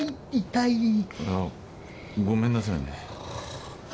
あ。ごめんなさいね。